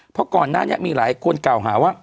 เพราะก่อนหน้านี้มีหลายคนกล่าวหาว่า